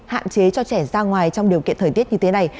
hạn chế cho trẻ ra ngoài trong điều kiện thời tiết như thế này